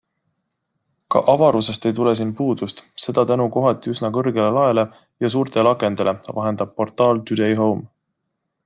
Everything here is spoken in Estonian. Ka avarusest ei tule siin puudust, seda tänu kohati üsna kõrgele laele ja suurtele akendele, vahendab portaal Today Home.